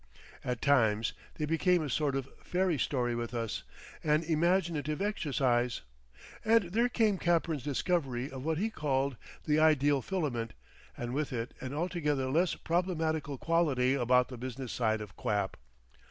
At times they became a sort of fairy story with us, an imaginative exercise. And there came Capern's discovery of what he called the ideal filament and with it an altogether less problematical quality about the business side of quap.